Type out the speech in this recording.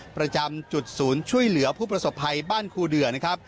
ประจำจุดศูนย์ช่วยเหลือผู้ประสบภัยบ้านครูเดือนะครับ